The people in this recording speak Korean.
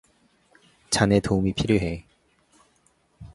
자네 도움이 필요해.